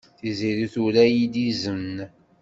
Tiziri tura-iyi-d izen.